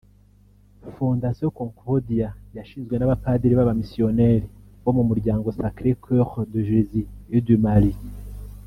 Fondation Concordia yashinzwe n’abapadiri b’abamisiyoneri bo mu muryango “Sacrés Coeurs de Jésus et de Marie”